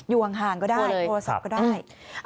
อยู่ห่างก็ได้โทรศัพท์ก็ได้